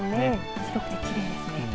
白くてきれいですね。